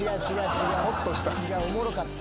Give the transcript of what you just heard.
違うおもろかった。